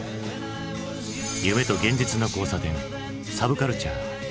夢と現実の交差点サブカルチャー。